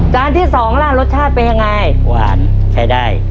ที่สองล่ะรสชาติเป็นยังไงหวานใช้ได้